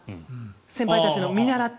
先輩たちを見習って。